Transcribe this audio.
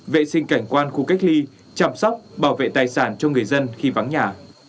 vệ sinh cảnh quan khu cách ly chăm sóc bảo vệ tài sản cho người dân khi vắng nhà